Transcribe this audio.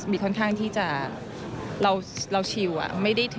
บีร์ค่อนข้างรู้ว่าเราสบาย